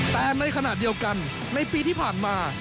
แต่ในขณะเดียวกันในปีที่ผ่านมา